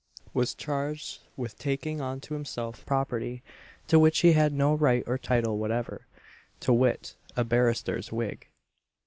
was charged with having taken unto himself property to which he had no right or title whatever to wit, a barrister's wig.